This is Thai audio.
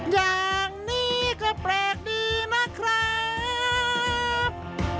อย่างนี้ก็แปลกดีนะครับ